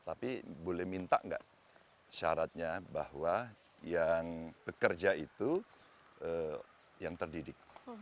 tapi boleh minta enggak syaratnya bahwa yang bekerja itu yang terdidik